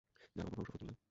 যার অপভ্রংশ ফতুল্লা।